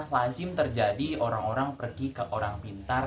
lazim terjadi orang orang pergi ke orang pintar